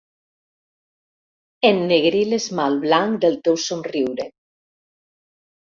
Ennegrir l'esmalt blanc del teu somriure.